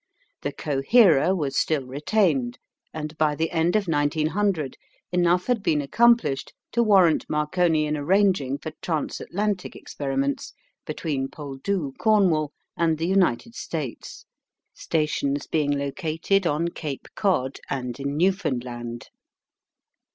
The coherer was still retained and by the end of 1900 enough had been accomplished to warrant Marconi in arranging for trans Atlantic experiments between Poldhu, Cornwall and the United States, stations being located on Cape Cod and in Newfoundland.